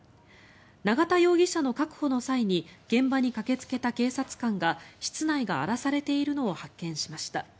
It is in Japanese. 永田容疑者の確保の際に現場に駆けつけた警察官が室内が荒らされているのを発見しました。